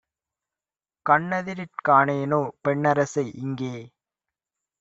கண்ணெதிரிற் காணேனோ பெண்ணரசை யிங்கே?